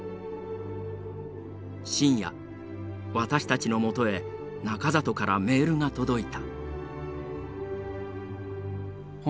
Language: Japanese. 深夜私たちのもとへ中里からメールが届いた。